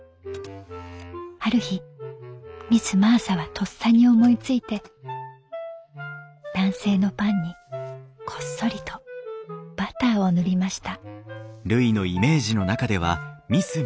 ある日ミス・マーサはとっさに思いついて男性のパンにこっそりとバターを塗りました」。